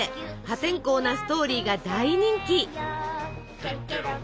破天荒なストーリーが大人気！